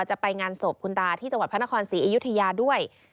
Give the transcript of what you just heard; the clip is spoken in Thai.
จะไปงานศพคุณตาที่จังหวัดพระนครศรีอยุธยาด้วย